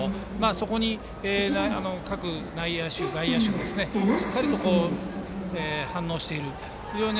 そこに各内野手、外野手がしっかりと反応している。